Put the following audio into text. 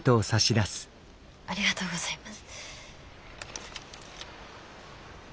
ありがとうございます。